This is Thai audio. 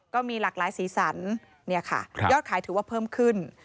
ก็มีหลากหลายสีสันยอดขายถือว่าเพิ่มขึ้น